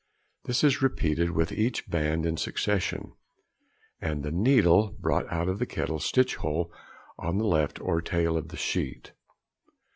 This is repeated with each band in succession, and the needle brought out of the kettle stitch hole on the left or tail of the sheet.